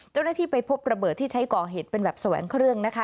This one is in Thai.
เจ้าหน้าที่ไปพบระเบิดที่ใช้ก่อเหตุเป็นแบบแสวงเครื่องนะคะ